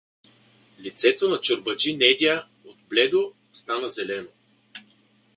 Лицето на чорбаджи Недя от бледно стана зелено.